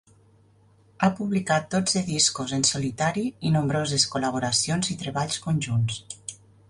Ha publicat dotze discos en solitari i nombroses col·laboracions i treballs conjunts.